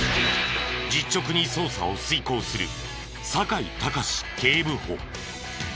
実直に捜査を遂行する。